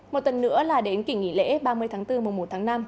một tuần nữa là đến kỷ nghỉ lễ ba mươi tháng bốn mùa một tháng năm